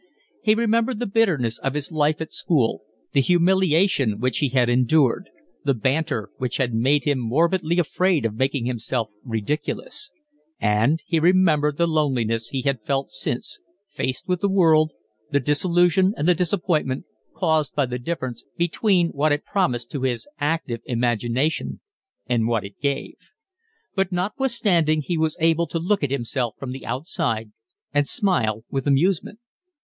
He remembered the bitterness of his life at school, the humiliation which he had endured, the banter which had made him morbidly afraid of making himself ridiculous; and he remembered the loneliness he had felt since, faced with the world, the disillusion and the disappointment caused by the difference between what it promised to his active imagination and what it gave. But notwithstanding he was able to look at himself from the outside and smile with amusement.